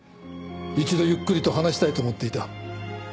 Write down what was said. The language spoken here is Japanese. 一度ゆっくりと話したいと思っていた。